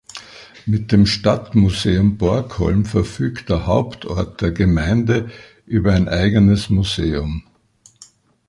Mit dem Stadtmuseum Borgholm verfügt der Hauptort der Gemeinde über ein eigenes Museum.